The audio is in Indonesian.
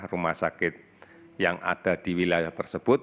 rumah sakit yang ada di wilayah tersebut